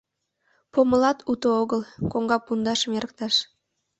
Помылат уто огыл — коҥга пундашым эрыкташ.